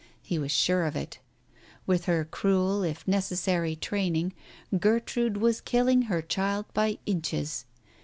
He was sure of it. With her cruel, if necessary, training, Gertrude was killing her child by inches.